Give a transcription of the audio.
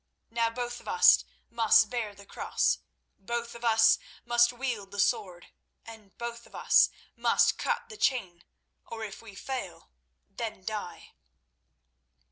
Now both of us must bear the cross; both of us must wield the sword, and both of us must cut the chain, or if we fail, then die."